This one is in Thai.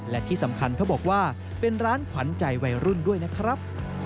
และที่สำคัญเขาบอกว่าเป็นร้านขวัญใจวัยรุ่นด้วยนะครับ